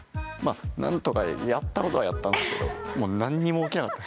何とかやったことはやったんですけど。